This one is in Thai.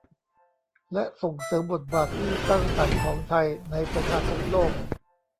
และส่งเสริมบทบาทที่สร้างสรรค์ของไทยในประชาคมโลก